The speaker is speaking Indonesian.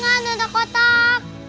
gorengan untuk kotak